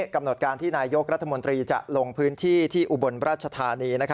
กำหนดการที่นายกรัฐมนตรีจะลงพื้นที่ที่อุบลราชธานี